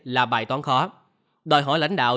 là bài toán khó đòi hỏi lãnh đạo